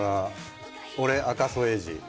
俺、赤楚衛二。